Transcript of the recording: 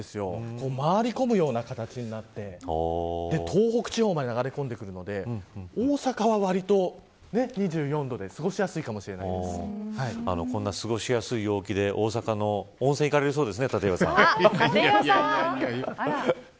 回り込むような形になって東北地方まで流れ込んでくるので大阪はわりと２４度でこんな過ごしやすい陽気で大阪の温泉に行かれるそうですね、立岩さん。